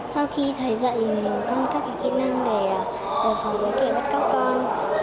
sau khi thầy dạy mình con có các kỹ năng để bảo vệ bắt cóc con